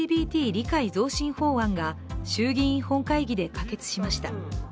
理解増進法案が衆議院本会議で可決しました。